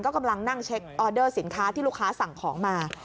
กำลังนั่งเช็คออเดอร์สินค้าที่ลูกค้าสั่งของมา